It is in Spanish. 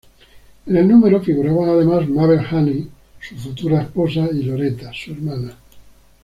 En el número figuraban además Mabel Haney, su futura esposa, y Loretta, su hermana.